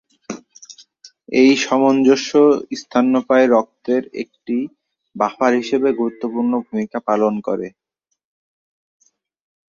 এই সামঞ্জস্য স্তন্যপায়ী রক্তের একটি বাফার হিসাবে গুরুত্বপূর্ণ ভূমিকা পালন করে।